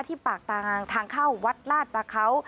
ที่ปากตางทางเข้าวัดลาดประเขา